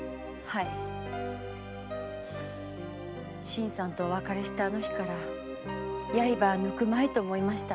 新さんとお別れしたあの日から刃は抜くまいと思いました。